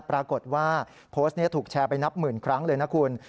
ปรากฏว่าโพสต์นี้ถูกแชร์ไปนับหมื่นครั้งเลยนะคุณ